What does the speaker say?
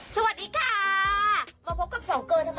สวัสดีค่ะมาพบกับสองเกอร์ทำไม